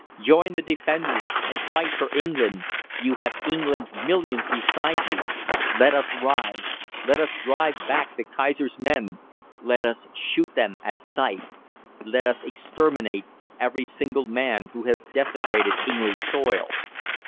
= Join THE DEFENDERS and fight for England. You have England's Millions beside you. =LET US RISE!= Let us drive back the Kaiser's men. Let us shoot them at sight. Let us exterminate every single man who has desecrated English soil.